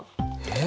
え